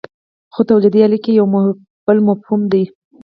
خو تولیدي اړیکې یو بل مفهوم دی.